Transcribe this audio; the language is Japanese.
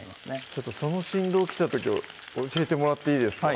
ちょっとその振動来た時教えてもらっていいですか？